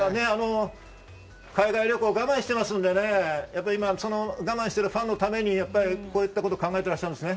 海外旅行を我々我慢してますのでね、我慢してるファンのために、こういったことを考えていらっしゃるんですね。